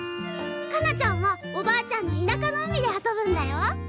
かなちゃんはおばあちゃんの田舎の海で遊ぶんだよ。